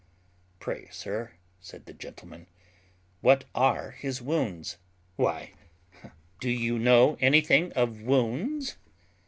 "Pray, sir," said the gentleman, "what are his wounds?" "Why, do you know anything of wounds?"